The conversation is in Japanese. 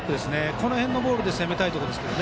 この辺のボールで攻めたいですが。